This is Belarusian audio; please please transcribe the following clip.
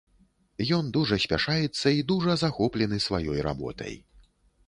Ён дужа спяшаецца і дужа захоплены сваёй работай.